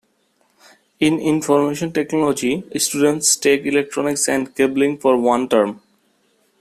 In information technology, students take Electronics and Cabling for one term.